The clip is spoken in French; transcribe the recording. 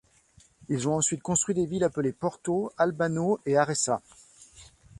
Ils ont ensuite construit des villes appelées Porto, Albano, et Aresah.